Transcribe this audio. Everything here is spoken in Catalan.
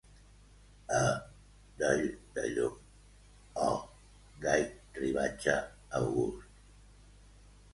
Oh doll de llum!, oh gai ribatge august!—.